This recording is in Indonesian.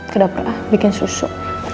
kedaprah bikin susu